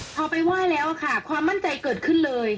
พอไปไหว้แล้วค่ะความมั่นใจเกิดขึ้นเลย